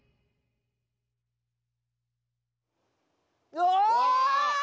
うわ！